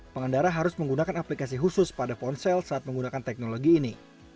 pengendara harus menggunakan aplikasi khusus pada ponsel saat menggunakan teknologi ini